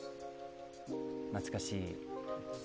懐かしい。